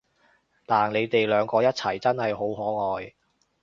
但你哋兩個一齊真係好可愛